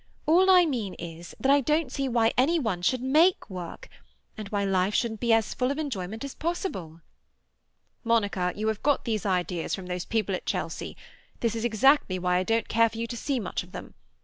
All I mean is, that I don't see why any one should make work, and why life shouldn't be as full of enjoyment as possible." "Monica, you have got these ideas from those people at Chelsea. That is exactly why I don't care for you to see much of them.